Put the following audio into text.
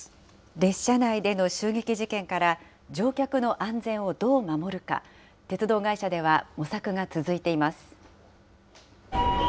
列車内での襲撃事件から乗客の安全をどう守るか、鉄道会社では模索が続いています。